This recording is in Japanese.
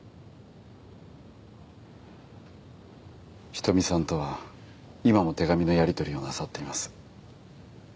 仁美さんとは今も手紙のやりとりをなさっています。